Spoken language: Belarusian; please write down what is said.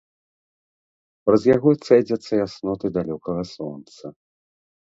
Праз яго цэдзяцца ясноты далёкага сонца.